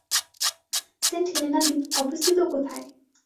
Saint Helena দ্বীপ অবস্থিত কোথায়?